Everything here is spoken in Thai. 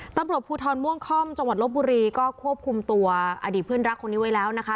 ตำรวจภูทรม่วงค่อมจังหวัดลบบุรีก็ควบคุมตัวอดีตเพื่อนรักคนนี้ไว้แล้วนะคะ